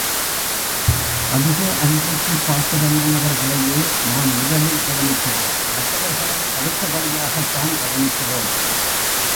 அதிக அன்புக்குப் பாத்திரமானவர்களையே நாம் முதலில் கவனிக்கிறோம் மற்றவர்களை அடுத்தபடியாகத்தான் கவனிக்கிறோம்.